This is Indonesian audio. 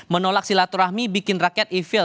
menolak silaturahmi bikin rakyat efill